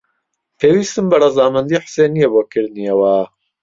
پێویستیم بە ڕەزامەندیی حوسێن نییە بۆ کردنی ئەوە.